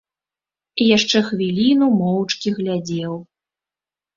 І яшчэ хвіліну моўчкі глядзеў.